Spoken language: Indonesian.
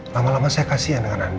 lama lama saya kasihan dengan anda